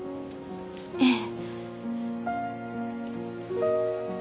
ええ。